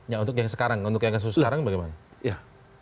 ya untuk yang sekarang bagaimana